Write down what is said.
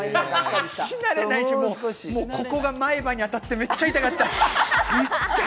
もうここが前歯に当たって、めっちゃ痛かった！